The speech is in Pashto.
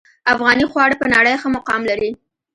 افغاني خواړه په نړۍ ښه مقام لري